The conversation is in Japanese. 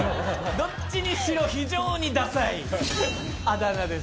どっちにしろ非常にダサいあだ名です。